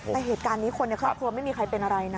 แต่เหตุการณ์นี้คนในครอบครัวไม่มีใครเป็นอะไรนะ